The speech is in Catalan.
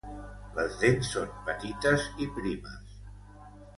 Les dents són petites i primes.